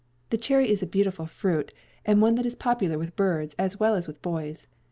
The cherry is a beautiful fruit, and one that is popular with birds as well as with boys.